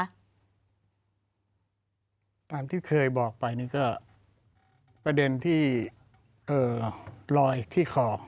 ตามที่เคยบอกไปนี่ก็ประเด็นที่ลอยที่ขอบ